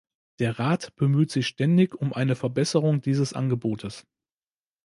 Der Rat bemüht sich ständig um eine Verbesserung dieses Angebotes.